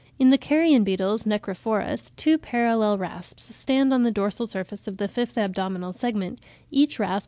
In the carrion beetles (Necrophorus) two parallel rasps (r, Fig. 25) stand on the dorsal surface of the fifth abdominal segment, each rasp (74.